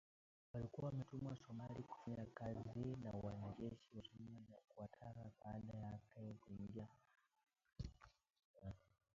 Walikuwa wametumwa Somalia kufanya kazi na wanajeshi wa Somalia na kuwataka badala yake waingie nchini humo mara kwa mara kusaidia